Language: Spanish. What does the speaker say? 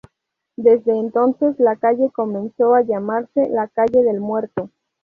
Desde entonces la calle comenzó a llamarse "La Calle del Muerto".